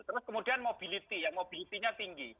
terus kemudian mobility ya mobility nya tinggi